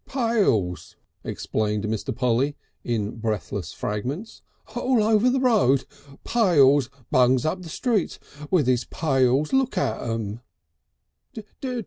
"Pails," explained Mr. Polly in breathless fragments. "All over the road. Pails. Bungs up the street with his pails. Look at them!"